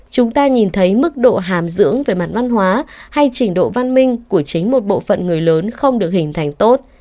chúng ta nhìn thấy mức độ hàm dưỡng về mặt văn hóa hay trình độ văn minh của chính một bộ phận người lớn không được hình thành tốt